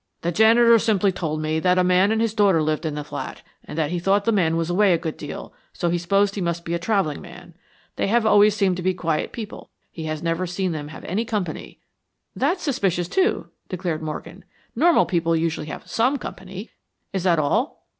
"The janitor simply told me that a man and his daughter lived in the flat, and that he thought the man was away a good deal; so he supposed he must be a traveling man. They have always seemed to be quiet people. He has never even seen them have any company." "That's suspicious, too," declared Morgan. "Normal people usually have SOME company. Is that all?"